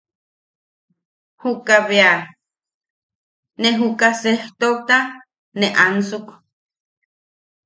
Juka bea... ne juka sejtota ne ansuk.